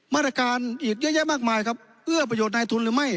มาตรการอีกเยอะแยะมากมายครับเอื้อประโยชน์นายทุนหรือไม่